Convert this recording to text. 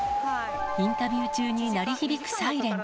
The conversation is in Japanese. インタビュー中に鳴り響くサイレン。